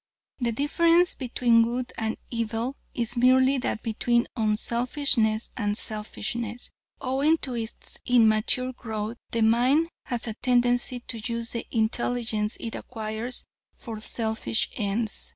The difference between good and evil is merely that between unselfishness and selfishness. Owing to its immature growth, the mind has a tendency to use the intelligence it acquires for selfish ends.